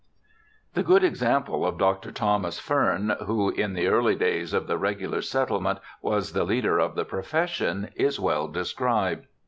The good example of Dr. Thomas Fearn, who in the early days of the regular settlement was the leader of the profession, is well described.